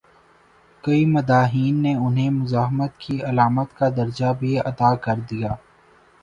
کئی مداحین نے انہیں مزاحمت کی علامت کا درجہ بھی عطا کر دیا۔